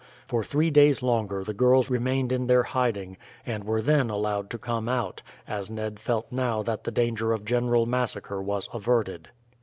For three days longer the girls remained in their hiding, and were then allowed to come out, as Ned felt now that the danger of general massacre was averted.